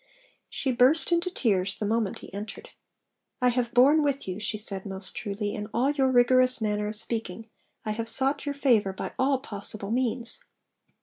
She burst into tears the moment he entered. 'I have borne with you,' she said most truly, 'in all your rigorous manner of speaking; I have sought your favour by all possible means.'